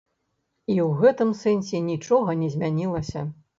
І ў гэтым сэнсе нічога не змянілася.